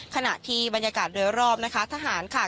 ขณะที่บรรยากาศโดยรอบนะคะทหารค่ะ